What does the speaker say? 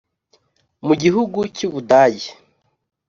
Mu gihugu cy’ubudage